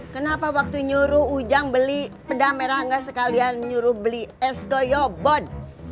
kenapa waktu nyuruh ujang beli pedang merah gak sekalian nyuruh beli es goyobot